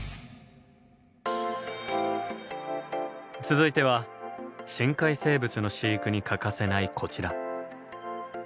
続いては深海生物の飼育に欠かせないこちら。